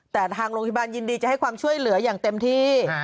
แต่ทางโรงพยาบาลยินดีจะให้ความช่วยเหลืออย่างเต็มที่